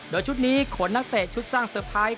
โดยชุดนี้ขนนักเตะชุดสร้างเซอร์ไพรส์